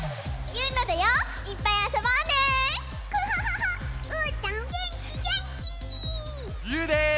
ゆうです！